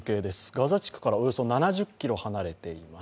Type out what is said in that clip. ガザ地区からおよそ７０ｋｍ離れています